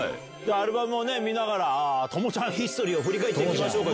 アルバムを見ながらトモちゃんヒストリーを振り返ってみましょうか。